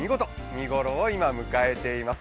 見頃を今、迎えています。